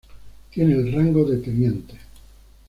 Tiene el rango de teniente.